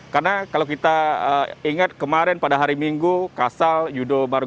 karena kalau kita ingat kemarin pada hari minggu kasal yudo baru